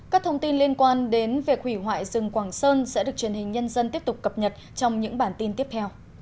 các thông tin liên quan đến việc hủy hoại rừng quảng sơn sẽ được truyền hình nhân dân tiếp tục cập nhật trong những bản tin tiếp theo